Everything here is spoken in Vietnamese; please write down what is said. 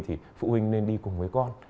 thì phụ huynh nên đi cùng với con